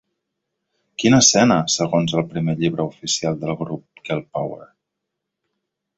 Quina escena, segons el primer llibre oficial del grup Girl Power!